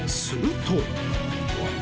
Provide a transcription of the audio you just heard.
すると。